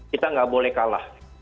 kita nggak boleh kalah